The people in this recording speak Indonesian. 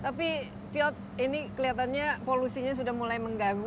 tapi fyod ini kelihatannya polusinya sudah mulai menggaguh